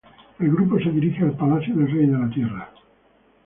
El grupo se dirige al palacio del Rey de la Tierra.